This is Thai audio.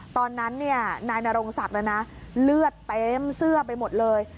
ตอนนั้นนายนรงศักดิ์เลือดเต็มเสื้อไปหมดเลย